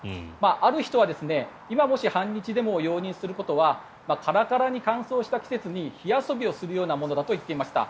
ある人は今もし反日デモを容認することはカラカラに乾燥した季節に火遊びをするようなものだと言っていました。